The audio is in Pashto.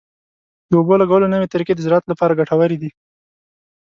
د اوبو لګولو نوې طریقې د زراعت لپاره ګټورې دي.